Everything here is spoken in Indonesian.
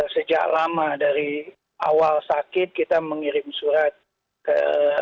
sejak lama dari awal sakit kita mengirim surat ke